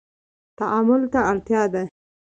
تعامل ته اړتیا ده